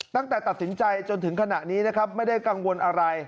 ตั้งแต่ตัดสินใจจนถึงขณะนี้นะครับไม่ได้กังวลอะไร